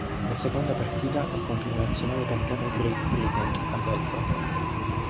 La seconda partita è contro una nazionale targata Great Britain, a Belfast.